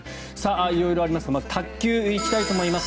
色々ありますが卓球に行きたいと思います。